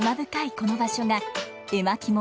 この場所が絵巻物